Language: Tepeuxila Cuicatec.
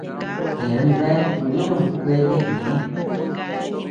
Yeabean bea kuïñu kuete ñeʼë.